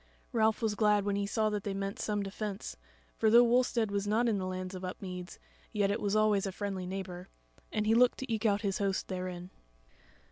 Ralph was glad when he saw that they meant some defence; for though Wulstead was not in the lands of Upmeads, yet it was always a friendly neighbour, and he looked to eke out his host therein.